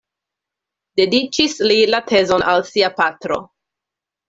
Dediĉis li la tezon al sia patro.